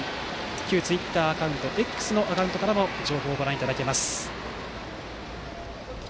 旧ツイッターアカウントＸのアカウントからも情報をご覧いただけます。